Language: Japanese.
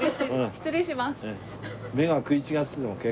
失礼します。